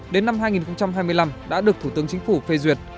đến năm hai nghìn hai mươi năm đã được thủ tướng chính phủ phê duyệt